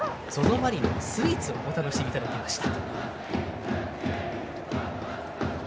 マリンスタジアムのスイーツをお楽しみいただきました。